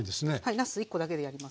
なす１コだけでやります。